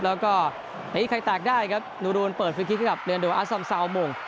แล้วก็ไอ้ไอ้แตกได้ครับรุนเปิดคลิกขึ้นกับเรียนโดยอาซัมซาวมง